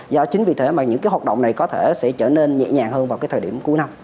do chính vì thế mà những cái hoạt động này có thể sẽ trở nên nhẹ nhàng hơn vào cái thời điểm cuối năm